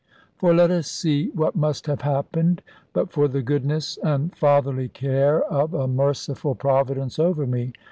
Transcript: For let us see what must have happened but for the goodness and fatherly care of a merciful Providence over me.